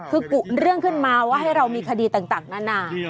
คือกุเรื่องขึ้นมาว่าให้เรามีคดีต่างนานา